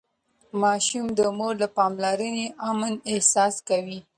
ماشوم د مور له پاملرنې امن احساس کوي.